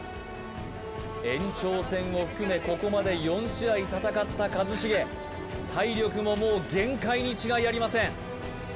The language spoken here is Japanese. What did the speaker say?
延長戦を含めここまで４試合戦った一茂体力ももう限界に違いありません